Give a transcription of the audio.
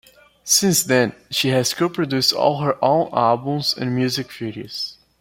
Since then, she has co-produced all her own albums and music videos.